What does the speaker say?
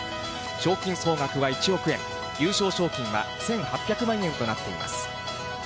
賞金総額は１億円、優勝賞金は１８００万円となっています。